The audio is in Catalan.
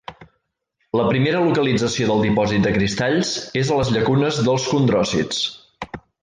La primera localització del dipòsit de cristalls és a les llacunes dels condròcits.